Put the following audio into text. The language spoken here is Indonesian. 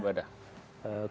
pembangunan rumah ibadah